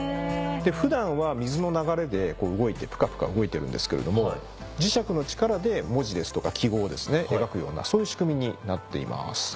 普段は水の流れで動いてプカプカ動いてるんですけれども磁石の力で文字とか記号を描くようなそういう仕組みになっています。